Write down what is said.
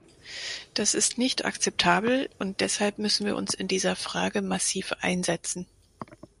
Das ist nicht akzeptabel, und deshalb müssen wir uns in dieser Frage massiv einsetzen.